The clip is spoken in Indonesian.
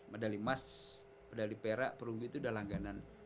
medali emas medali perak perunggu itu udah langganan